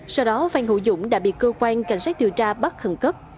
sau đó phan hữu dũng đã bị cơ quan cảnh sát điều tra bắt khẩn cấp